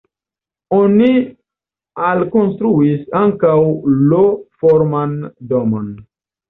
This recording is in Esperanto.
Oni alkonstruis ankaŭ L-forman domon.